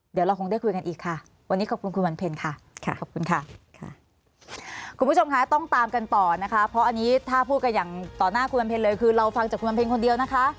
เดี๋ยวเราคงได้คุยกันอีกค่ะวันนี้ขอบคุณคุณวันเพ็ญค่ะขอบคุณค่ะค่ะคุณผู้ชมคะต้องตามกันต่อนะคะเพราะอันนี้ถ้าพูดกันอย่างต่อหน้าคุณวันเพ็ญเลยคือเราฟังจากคุณวันเพ็ญคนเดียวนะคะ